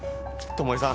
巴さん！